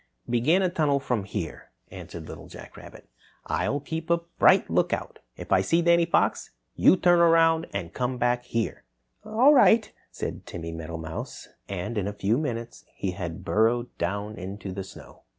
"Begin a tunnel from here," answered Little Jack Rabbit. "I'll keep a bright lookout. If I see Danny Fox, you turn around and come back here." "All right," said Timmy Meadowmouse, and in a few minutes he had burrowed down into the snow.